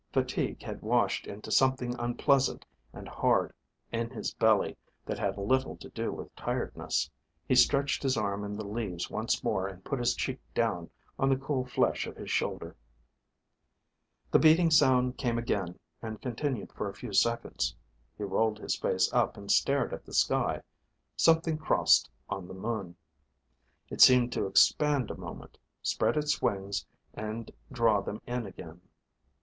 Fatigue had washed into something unpleasant and hard in his belly that had little to do with tiredness. He stretched his arm in the leaves once more and put his cheek down on the cool flesh of his shoulder. The beating sound came again and continued for a few seconds. He rolled his face up and stared at the sky. Something crossed on the moon. It seemed to expand a moment, spread its wings, and draw them in again.